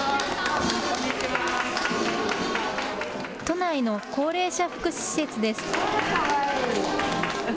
都内の高齢者福祉施設です。